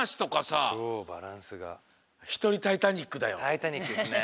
「タイタニック」ですね。